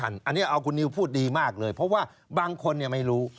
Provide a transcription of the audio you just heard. อันนี้เอาคุณนิวพูดดีมากเลยเพราะว่าบางคนไม่รู้